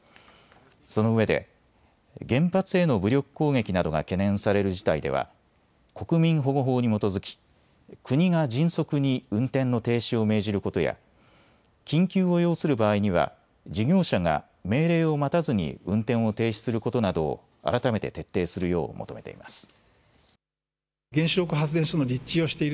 そのうえで原発への武力攻撃などが懸念される事態では国民保護法に基づき国が迅速に運転の停止を命じることや緊急を要する場合には事業者が命令を待たずに運転を停止することなどを改めて徹底するよう求めています。